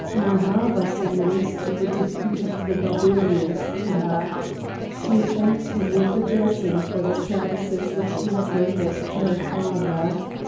Narr' Havas announced the defeat of the Barbarians to her. She thanked him with a blessing for the services which he had rendered to her father.